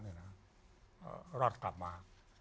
รอดกลับมา